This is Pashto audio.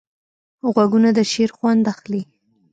غوږونه د شعر خوند اخلي